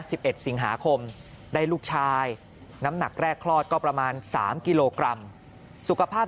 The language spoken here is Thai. สิบเอ็ดสิงหาคมได้ลูกชายน้ำหนักแรกคลอดก็ประมาณสามกิโลกรัมสุขภาพ